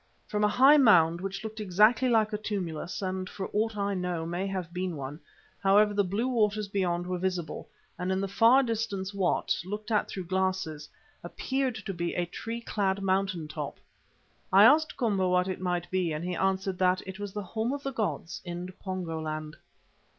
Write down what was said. From a high mound which looked exactly like a tumulus and, for aught I know, may have been one, however, the blue waters beyond were visible, and in the far distance what, looked at through glasses, appeared to be a tree clad mountain top. I asked Komba what it might be, and he answered that it was the Home of the gods in Pongo land.